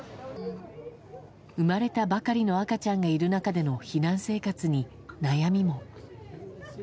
産まれたばかりの赤ちゃんがいる中での避難生活に、悩みも。